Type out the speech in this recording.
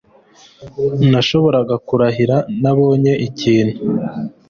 Nashoboraga kurahira Nabonye ikintu